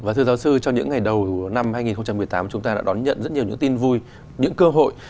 thưa giáo sư trong những ngày đầu năm hai nghìn một mươi tám chúng ta đã đón nhận rất nhiều những tin vui những cơ hội